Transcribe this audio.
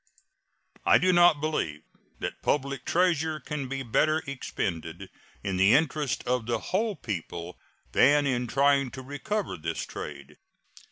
I do not believe that public treasure can be better expended in the interest of the whole people than in trying to recover this trade.